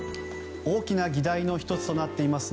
大きな議題の１つとなっています